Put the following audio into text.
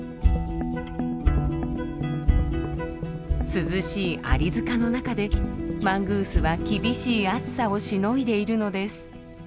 涼しいアリ塚の中でマングースは厳しい暑さをしのいでいるのです。